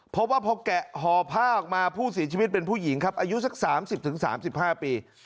เพราะว่าพอแกะห่อผ้าออกมาผู้เสียชีวิตเป็นผู้หญิงครับอายุสัก๓๐๓๕ปี